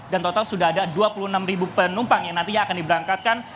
dan total sudah ada dua puluh enam penumpang yang nantinya akan diberangkatkan